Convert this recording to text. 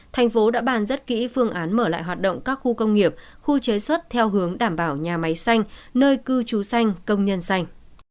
thành phố đã bàn rất kỹ phương án mở lại hoạt động các khu công nghiệp khu chế xuất theo hướng đảm bảo nhà máy xanh nơi cư trú xanh công nhân xanh